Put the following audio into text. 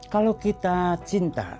kalau kita cinta